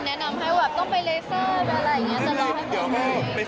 เขาก็บอกเดี๋ยวเขาจะแนะนำให้ต้องไปเลเซอร์อะไรอย่างเงี้ย